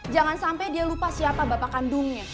jangan sampai dia lupa siapa bapak kandungnya